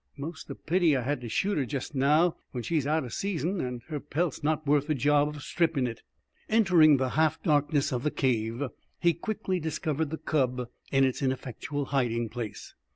'Most a pity I had to shoot her jest now, when she's out o' season an' her pelt not worth the job of strippin' it!" Entering the half darkness of the cave, he quickly discovered the cub in its ineffectual hiding place.